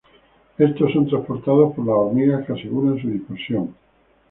Estos son transportados por las hormigas que aseguran su dispersión.